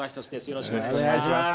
よろしくお願いします。